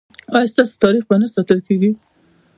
ایا ستاسو تاریخ به نه ساتل کیږي؟